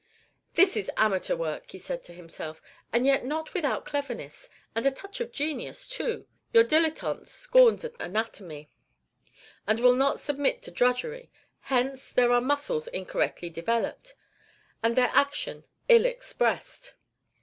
"This is amateur work," said he to himself; "and yet not without cleverness, and a touch of genius too. Your dilettante scorns anatomy, and will not submit to drudgery; hence, here are muscles incorrectly developed, and their action ill expressed."